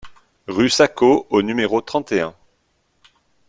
RUE SACO au numéro trente et un